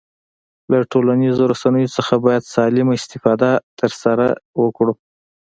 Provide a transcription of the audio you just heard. له ټولنیزو رسنیو څخه باید سالمه استفاده ترسره وکړو